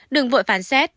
đừng vội phán xét